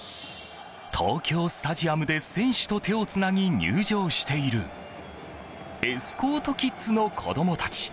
東京スタジアムで選手と手をつなぎ入場しているエスコートキッズの子供たち。